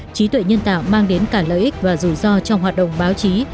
trí tuệ nhân tạo mang đến cả lợi ích và rủi ro trong hoạt động báo chí